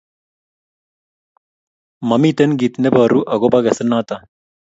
Mamiten kit nebaru ako ba kesit naton